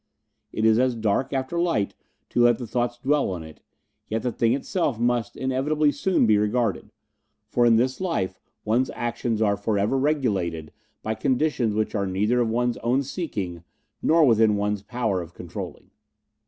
It is as dark after light to let the thoughts dwell around it, yet the thing itself must inevitably soon be regarded, for in this life one's actions are for ever regulated by conditions which are neither of one's own seeking nor within one's power of controlling."